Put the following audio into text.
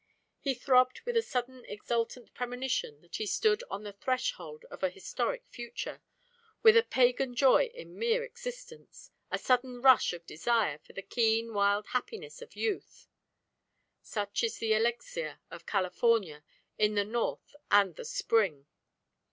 He throbbed with a sudden exultant premonition that he stood on the threshold of an historic future, with a pagan joy in mere existence, a sudden rush of desire for the keen wild happiness of youth. Such is the elixir of California in the north and the spring.